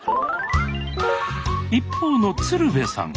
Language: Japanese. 一方の鶴瓶さん